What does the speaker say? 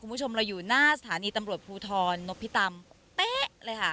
คุณผู้ชมเราอยู่หน้าสถานีตำรวจภูทรนพิตำเป๊ะเลยค่ะ